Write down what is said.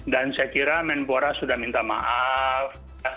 dan saya kira menpora sudah minta maaf